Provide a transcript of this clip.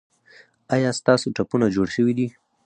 ایا ستاسو ټپونه جوړ شوي دي؟